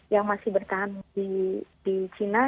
yang masih bertahan di china